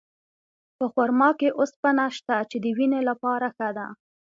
په خرما کې اوسپنه شته، چې د وینې لپاره ښه ده.